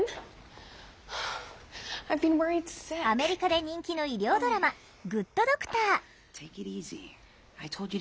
アメリカで人気の医療ドラマ「グッド・ドクター」